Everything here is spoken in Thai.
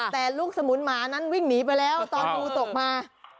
แต่ลูกสมุนหมานั้นวิ่งหนีไปแล้วตอนงูตกมา